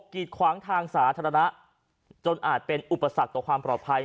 กีดขวางทางสาธารณะจนอาจเป็นอุปสรรคต่อความปลอดภัย